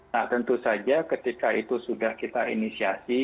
nah tentu saja ketika itu sudah kita inisiasi